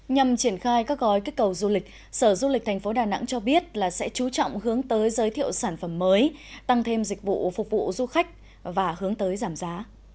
nhằm triển khai các gói kích cầu du lịch sở du lịch tp đà nẵng cho biết là sẽ chú trọng hướng tới giới thiệu sản phẩm mới tăng thêm dịch vụ phục vụ du khách và hướng tới giảm giá